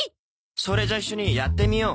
それじゃあ一緒にやってみよう。